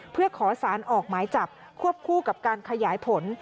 เพื่อขอสารออกหมายจับควบคู่กับการขยายผล